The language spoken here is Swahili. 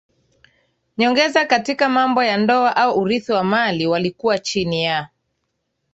nyongeza Katika mambo ya ndoa au urithi wa mali walikuwa chini ya